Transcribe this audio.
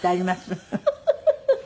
フフフフ。